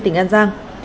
tỉnh an giang